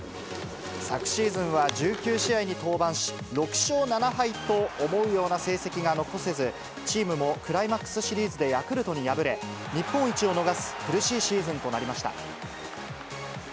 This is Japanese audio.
昨シーズンは１９試合に登板し、６勝７敗と、思うような成績が残せず、チームもクライマックスシリーズでヤクルトに敗れ、日本一を逃す苦しいシーズンとなりました。